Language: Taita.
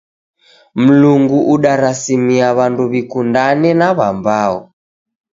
Mlungu udarasimia w'andu w'ikundane na w'ambao.